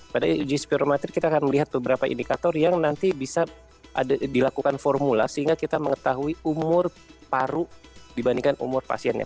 pada uji spirometrik kita akan melihat beberapa indikator yang nanti bisa dilakukan formula sehingga kita mengetahui umur paru dibandingkan umur pasiennya